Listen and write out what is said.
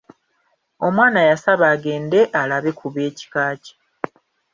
Omwana yasaba agende alabe ku b'ekika kye.